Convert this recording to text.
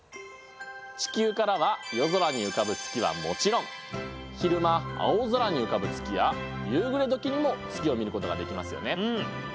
地球からは夜空に浮かぶ月はもちろん昼間青空に浮かぶ月や夕暮れ時にも月を見ることができますよね。